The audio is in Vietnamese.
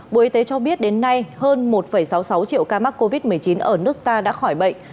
bộ y tế cho biết đến nay hơn một sáu mươi sáu triệu ca mắc covid một mươi chín ở nước ta đã khỏi bệnh